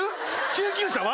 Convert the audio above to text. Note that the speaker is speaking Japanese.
救急車は？